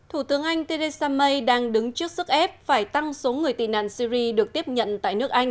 thủ tướng anh theresa may đang đứng trước sức ép phải tăng số người tị nạn syri